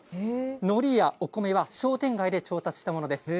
のりやお米は商店街で調達したものです。